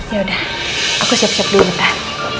yaudah aku siap siap dulu dah